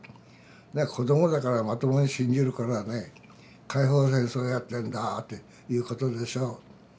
子どもだからまともに信じるからね解放戦争やってんだっていうことでしょう。